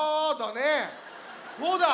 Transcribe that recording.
そうだ！